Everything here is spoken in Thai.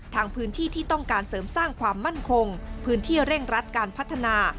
พื้นที่ที่ต้องการเสริมสร้างความมั่นคงพื้นที่เร่งรัดการพัฒนา